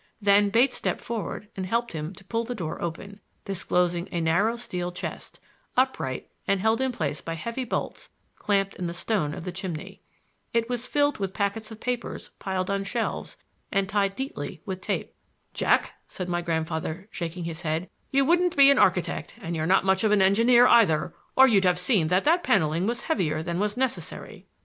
Then Bates stepped forward and helped him pull the door open, disclosing a narrow steel chest, upright and held in place by heavy bolts clamped in the stone of the chimney. It was filled with packets of papers placed on shelves, and tied neatly with tape. "Jack," said my grandfather, shaking his head, "you wouldn't be an architect, and you're not much of an engineer either, or you'd have seen that that paneling was heavier than was necessary.